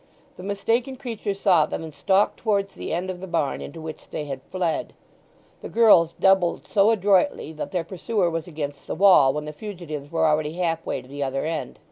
The mistaken creature saw them, and stalked towards the end of the barn into which they had fled. The girls doubled so adroitly that their pursuer was against the wall when the fugitives were already half way to the other end.